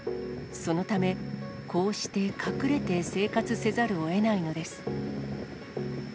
そのため、こうして隠れて生活せざるをえないのです。